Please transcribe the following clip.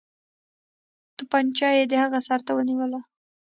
توپنچه یې د هغه سر ته ونیوله.